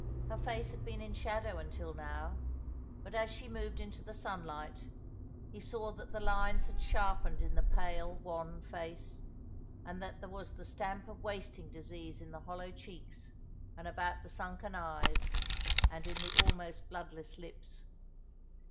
Her face had been in shadow until now, but as she moved into the sunlight, he saw that the hues had sharpened in the pale, wan face, and that there was the stamp of wasting disease in the hollow cheeks, and about the sunken eyes, and in the almost bloodless lips.